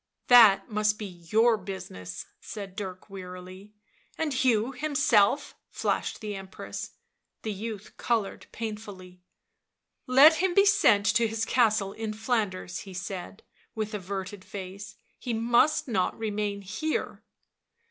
" That must be your business," said Dirk wearily. " And Hugh himself !" flashed the Empress. The youth coloured painfully. " Let him be sent to his castle in Flanders," he said, with averted face. " He must not remain here."